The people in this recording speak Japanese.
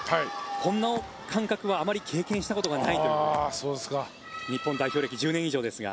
この感覚はあまり経験したことがないという日本代表歴１０年以上ですが。